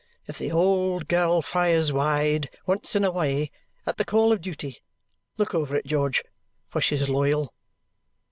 If the old girl fires wide once in a way at the call of duty look over it, George. For she's loyal!"